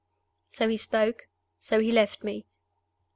So he spoke. So he left me.